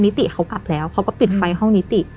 ติเขากลับแล้วเขาก็ปิดไฟห้องนิติ